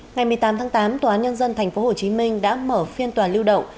ngày một mươi tám tháng tám tòa án nhân dân tp hcm đã mở phiên tòa lưu động